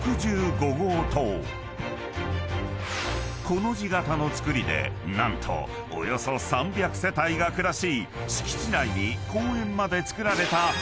［コの字形の造りで何とおよそ３００世帯が暮らし敷地内に公園まで造られたマンモスアパートだが］